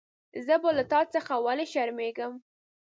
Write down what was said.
زه به له تا څخه ویلي شرمېږم.